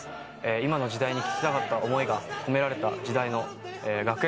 今の時代に聞きたかった思いが込められた時代の学園